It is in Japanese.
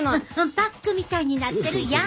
パックみたいになってるやん。